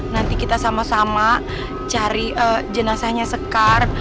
nanti kita sama sama cari jenazahnya sekar